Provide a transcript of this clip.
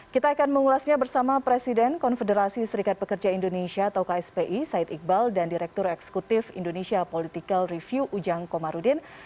kita akan mengulasnya bersama presiden konfederasi serikat pekerja indonesia atau kspi said iqbal dan direktur eksekutif indonesia political review ujang komarudin